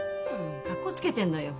かっこつけてるのよ。